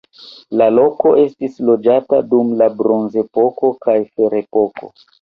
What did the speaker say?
La loko estis loĝata dum la bronzepoko kaj ferepoko.